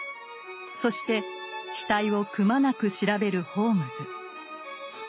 そして死体をくまなく調べるホームズ。